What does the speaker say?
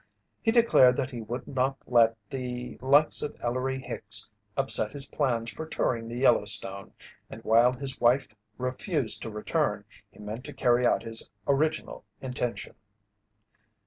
He declared that he would not let the likes of Ellery Hicks upset his plans for touring the Yellowstone, and while his wife refused to return he meant to carry out his original intention.